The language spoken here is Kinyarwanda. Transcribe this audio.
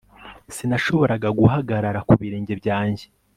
Sinashoboraga guhagarara ku birenge byanjye